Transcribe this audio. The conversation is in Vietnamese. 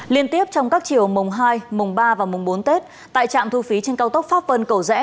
liên tiếp trong các chiều mùng hai mùng ba và mùng bốn tết tại trạm thu phí trên cao tốc pháp vân cầu rẽ